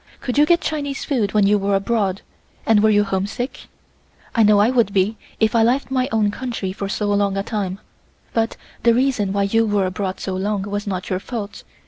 Could you get Chinese food when you were abroad, and were you homesick? I know I would be if I left my own country for so long a time; but the reason why you were abroad so long was not your fault.